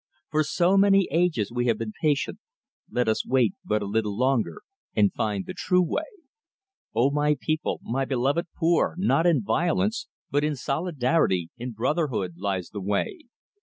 For so many ages we have been patient, let us wait but a little longer, and find the true way! Oh, my people, my beloved poor, not in violence, but in solidarity, in brotherhood, lies the way!